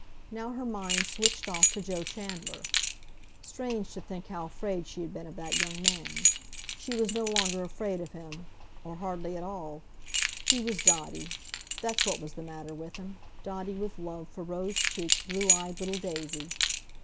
Now her mind switched off to Joe Chandler. Strange to think how afraid she had been of that young man! She was no longer afraid of him, or hardly at all. He was dotty—that's what was the matter with him, dotty with love for rosy cheeked, blue eyed little Daisy.